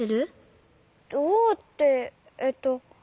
どうってえっと。